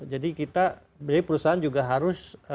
jadi kita jadi perusahaan juga harus